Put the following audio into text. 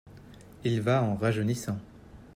il va en rajeunissant.